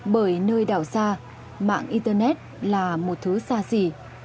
bởi nơi đảo xa mạng internet là một thứ xa xỉ